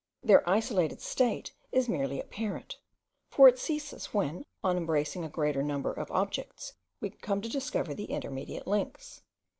Their isolated state is merely apparent; for it ceases when, on embracing a greater number of objects, we come to discover the intermediate links.